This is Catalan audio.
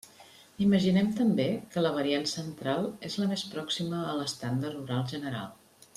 Imaginem també que la variant central és la més pròxima a l'estàndard oral general.